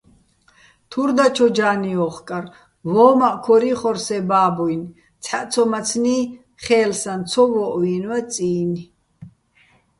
თურ დაჩო ჯა́ნი ო́ხკარ, ვო́მაჸ ქორ იხორ სე ბა́ბუჲნი̆, ცჰ̦აჸცომაცნი́ ხე́ლსაჼ ცო ვო́ჸვიენვა წი́ნი̆.